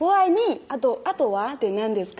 あとは何ですか？